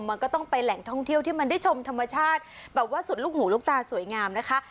มันก็ต้องไปแหล่งท่องเที่ยวที่มันได้ชมธรรมชาติแบบว่าสุดลูกหูลูกตาสวยงามนะคะ